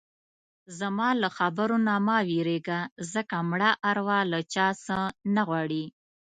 زما له خبرو نه مه وېرېږه ځکه مړه اروا له چا څه نه غواړي.